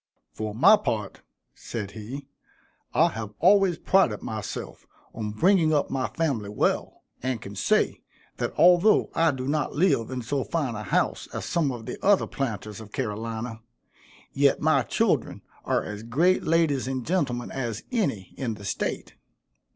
"For my part," said he, "I have always prided myself on bringing up my family well, and can say, that although I do not live in so fine a house as some of the other planters of Carolina, yet my children are as great ladies and gentlemen as any in the state.